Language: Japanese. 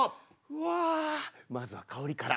わあまずは香りから。